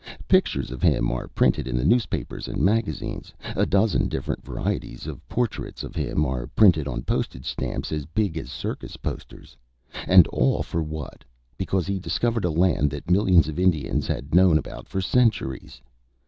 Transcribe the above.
Pictures of him are printed in the newspapers and magazines. A dozen different varieties of portraits of him are printed on postage stamps as big as circus posters and all for what? Because he discovered a land that millions of Indians had known about for centuries.